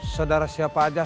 saudara siapa aja